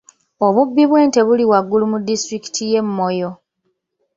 Obubbi bw'ente buli waggulu mu disitulikiti y'e Moyo.